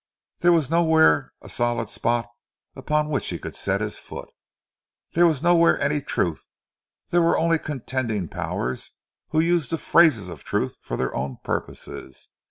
There was nowhere a solid spot upon which he could set his foot. There was nowhere any truth—there were only contending powers who used the phrases of truth for their own purposes!